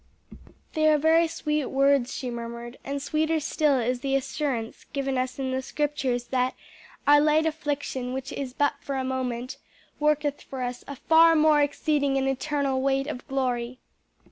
'" "They are very sweet words," she murmured, "and sweeter still is the assurance given us in the Scriptures that 'our light affliction, which is but for a moment, worketh for us a far more exceeding and eternal weight of glory.'"